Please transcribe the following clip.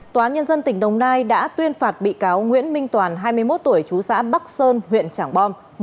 tòa án nhân dân tỉnh đồng nai đã tuyên phạt bị cáo nguyễn minh toàn hai mươi một tuổi chú xã bắc sơn huyện trảng bom